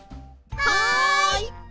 はい！